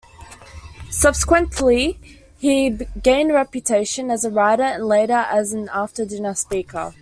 Subsequently he gained a reputation as a writer and later as an after-dinner speaker.